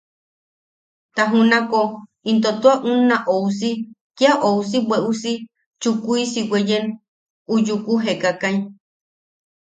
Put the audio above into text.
Ta junako into tua unna ousi, kia ousi bweʼusi chukuisi weeyen u yuku jeekakai.